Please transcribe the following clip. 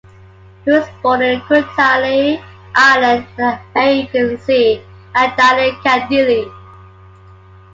He was born in Kutali Island in the Aegean Sea and died in Kandilli.